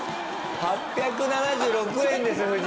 ８７６円ですよ夫人。